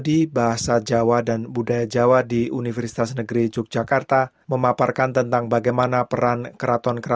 dalam hidup itu memang berbagi kok